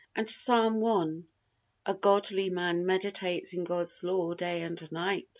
And Psalm i: "A godly man meditates in God's Law day and night."